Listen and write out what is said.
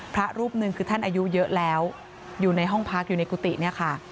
พระรูปหนึ่งคือท่านอายุเยอะแล้วอยู่ในห้องพักอยู่ในกุฏิเนี่ยค่ะ